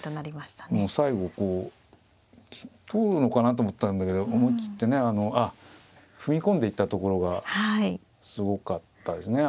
もう最後こう取るのかなと思ったんだけど思い切ってねあっ踏み込んでいったところがすごかったですね。